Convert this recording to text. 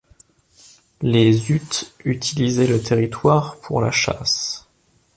Les Utes utilisaient le territoire pour la chasse.